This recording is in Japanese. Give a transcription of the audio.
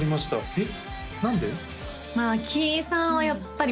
えっ？